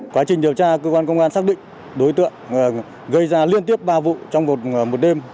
quá trình điều tra cơ quan công an xác định đối tượng gây ra liên tiếp ba vụ trong một đêm